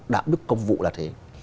đạo đức công vụ là thế